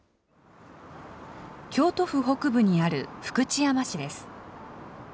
京都府北部にある福知山市です。